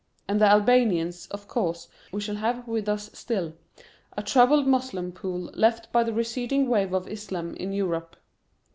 And the Albanians, of course, we shall have with us still, a troubled Moslem pool left by the receding wave of Islam in Europe.